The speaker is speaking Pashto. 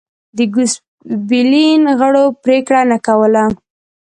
د ګوسپلین غړو پرېکړه نه کوله.